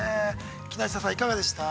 木下さん、いかがでしたか。